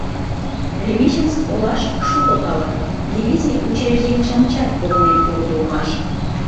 Лбищенск олаш шуко калык, дивизий учреждений-шамычат погынен улыт улмаш.